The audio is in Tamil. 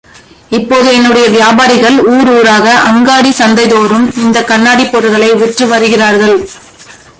இப்போது, என்னுடைய வியாபாரிகள், ஊர் ஊராக அங்காடிச் சந்தைதோறும் இந்தக் கண்ணாடிப் பொருள்களை விற்று வருகிறார்கள்.